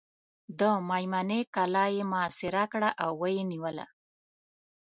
د مېمنې کلا یې محاصره کړه او ویې نیوله.